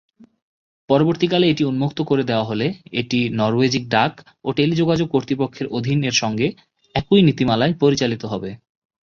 পরবর্তীকালে এটি উন্মুক্ত করে দেওয়া হলে এটি নরওয়েজীয় ডাক ও টেলিযোগাযোগ কর্তৃপক্ষের অধীন -এর সঙ্গে একই নীতিমালায় পরিচালিত হবে।